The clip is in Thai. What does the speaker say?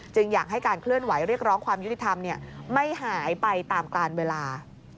อยากให้การเคลื่อนไหวเรียกร้องความยุติธรรมไม่หายไปตามการเวลา